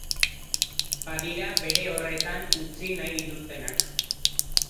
Badira bere horretan utzi nahi dituztenak.